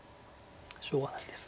しょうがないです。